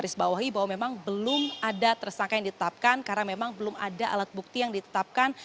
garis bawahi bahwa memang belum ada tersangka yang ditetapkan karena memang belum ada alat bukti yang ditetapkan